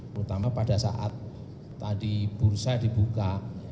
terutama pada saat tadi bursa dibuka